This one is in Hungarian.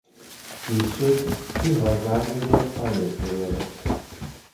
Később Bihar vármegye aljegyzője lett.